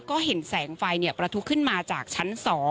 ก็เห็นแสงไฟประทุขึ้นมาจากชั้น๒